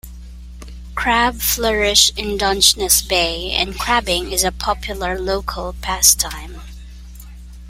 Crab flourish in Dungeness Bay, and crabbing is a popular local pastime.